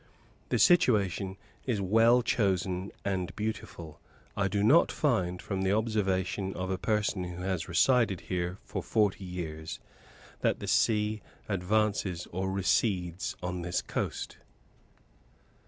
The situation is well chosen and beautiful. I do not find, from the observation of a person who has resided here for forty years, that the sea advances or recedes on this coast.